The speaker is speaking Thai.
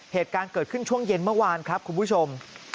เหตุการณ์เกิดขึ้นช่วงเย็นเมื่อวานครับคุณผู้ชม